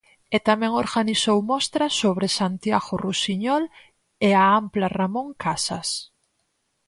E tamén organizou mostras sobre Santiago Rusiñol e a ampla Ramón Casas.